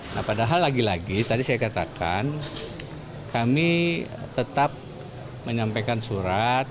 nah padahal lagi lagi tadi saya katakan kami tetap menyampaikan surat